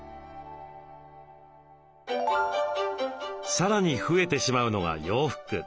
さらに増えてしまうのが洋服。